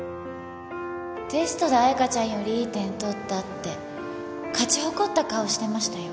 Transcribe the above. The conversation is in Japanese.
テストで彩香ちゃんよりいい点取ったって勝ち誇った顔してましたよ。